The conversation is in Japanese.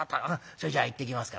それじゃ行ってきますから。